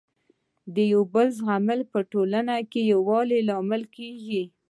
د یو بل زغمل په ټولنه کي د يووالي لامل کيږي.